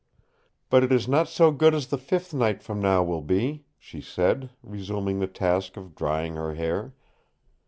"But it is not so good as the fifth night from now will be," she said, resuming the task of drying her hair.